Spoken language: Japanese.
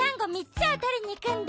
つをとりにいくんだ。